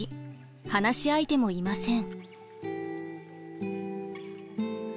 話し相手もいません。